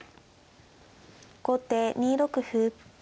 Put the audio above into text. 後手２六歩。